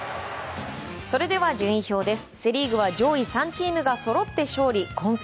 それでは順位表です。